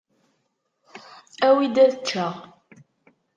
Awi-d ad eččeɣ!